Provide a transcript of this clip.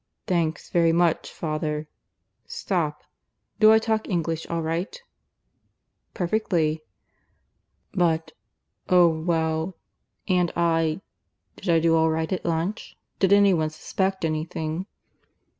"Thanks very much, father. ... Stop. Do I talk English all right?" "Perfectly." "But Oh well. ... And I ... did I do all right at lunch? Did any one suspect anything?"